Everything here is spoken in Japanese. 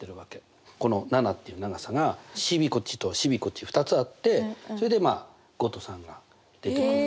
この７っていう長さがＣＢこっちとＣＢこっち２つあってそれで５と３が出てくる。